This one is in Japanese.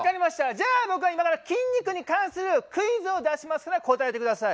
じゃあ僕は今から筋肉に関するクイズを出しますから答えて下さい。